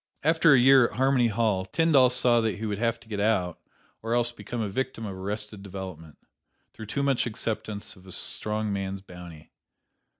After a year at Harmony Hall, Tyndall saw that he would have to get out or else become a victim of arrested development, through too much acceptance of a strong man's bounty.